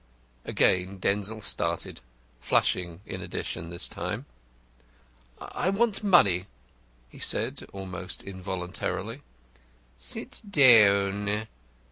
Again Denzil started, flushing in addition this time. "I want money," he said, almost involuntarily. "Sit down."